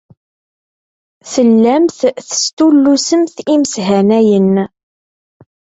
Tellamt testullusemt imeshanayen.